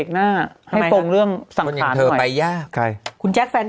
เหมือนเธอไปยาก